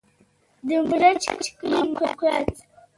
د مريچ کلی موقعیت